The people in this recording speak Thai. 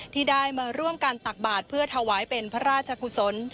ที่ได้มาร่วมกันตักบาทเพื่อถวายเป็นพระราชกุศล